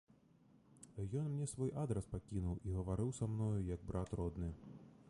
Ён мне свой адрас пакінуў і гаварыў са мною, як брат родны.